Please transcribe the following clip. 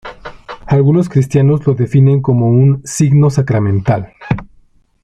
Algunos cristianos lo definen como un "signo sacramental".